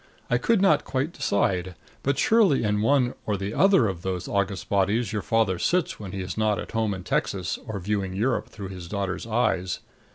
I could not quite decide. But surely in one or the other of those august bodies your father sits when he is not at home in Texas or viewing Europe through his daughter's eyes.